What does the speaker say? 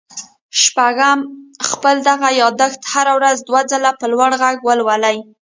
شپږم خپل دغه ياداښت هره ورځ دوه ځله په لوړ غږ ولولئ.